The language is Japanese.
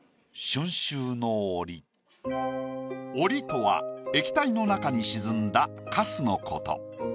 「澱」とは液体の中に沈んだかすのこと。